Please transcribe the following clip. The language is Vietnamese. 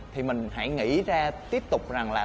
thì mình hãy nghĩ ra tiếp tục rằng là